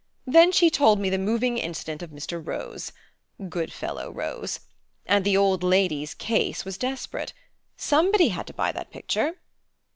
Then she told me the moving incident of Mr. Rose. Good fellow, Rose. And the old lady's case was desperate. Somebody had to buy that picture."